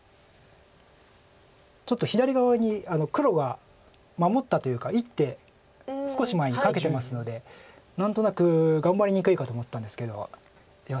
ちょっと左側に黒が守ったというか１手少し前にかけてますので何となく頑張りにくいかと思ったんですけどいや